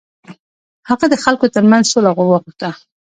هغه د خلکو تر منځ سوله وغوښته.